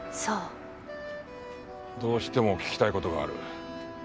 どうしても聞きたいことがある。